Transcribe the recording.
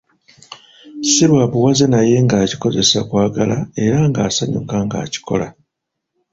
Si lwa buwaze naye ng'akikozesa kwagala era nga asanyuka ng'akikola.